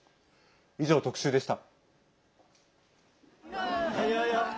以上、特集でした。